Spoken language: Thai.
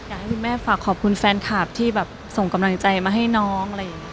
อยากให้พี่แม่ฝากขอบคุณแฟนคลับที่ส่งกำหนังใจมาให้น้อง